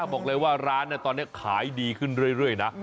บอกเลยว่าร้านตอนนี้ขายดีขึ้นเรื่อยนะ